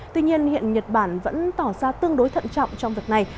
tuy nhiên hiện nhật bản vẫn tỏ ra tương đối thận trọng trong việc này